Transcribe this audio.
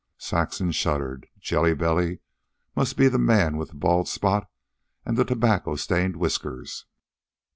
Saxon shuddered. Jelly Belly must be the man with the bald spot and the tobacco stained whiskers.